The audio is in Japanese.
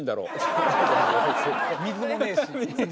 水もねえし。